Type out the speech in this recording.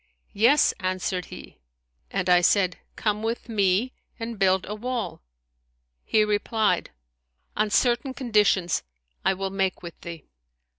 Yes,' answered he; and I said, Come with me and build a wall.' He replied, On certain conditions I will make with thee.'